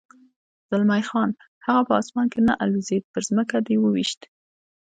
زلمی خان: هغه په اسمان کې نه الوزېد، پر ځمکه دې و وېشت.